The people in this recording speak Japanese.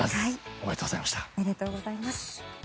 おめでとうございます。